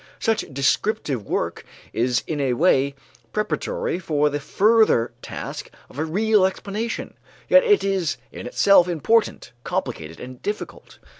Such descriptive work is in a way preparatory for the further task of real explanation; yet it is in itself important, complicated, and difficult.